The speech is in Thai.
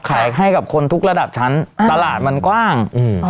ขายให้กับคนทุกระดับชั้นตลาดมันกว้างอืม